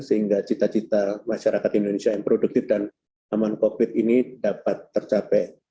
sehingga cita cita masyarakat indonesia yang produktif dan aman covid ini dapat tercapai